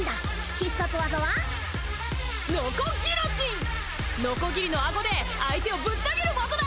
必殺技はノコギリのアゴで相手をぶった斬る技だ！